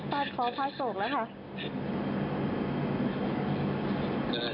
พร้อมภาษาโศกแล้วค่ะ